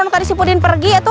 tadi si pudin pergi